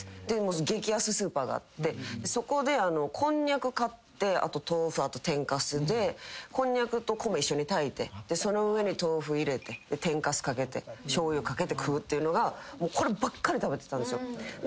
激安スーパーがあってそこでこんにゃく買ってあと豆腐天かすでこんにゃくと米一緒に炊いてその上に豆腐入れて天かすかけてしょうゆかけて食うっていうのがこればっかり食べてたんですよ。